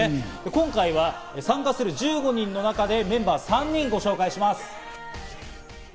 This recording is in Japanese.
今回は参加する１５人の中で、メンバー３人をご紹介します。